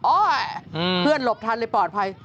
เพื่อนหลบทันเลยปลอดภัย